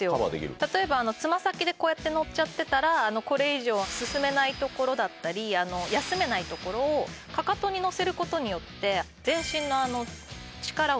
例えばつま先でこうやって乗っちゃってたらこれ以上は進めないところだったり休めないところをかかとに乗せることによって。